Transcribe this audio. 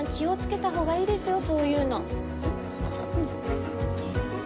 すいません。